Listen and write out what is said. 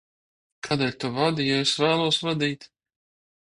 Kādēļ tu vadi, ja es vēlos vadīt?